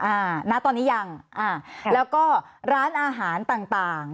อ่าณตอนนี้ยังแล้วก็ร้านอาหารต่าง